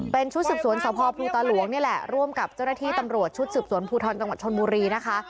เป็นชุดสืบสวนสภภูตาหลวงนี่แหละร่วมกับเจ้าหน้าที่ตำรวจชุดสืบสวนภูทรจังหวัดชนบุรีนะคะ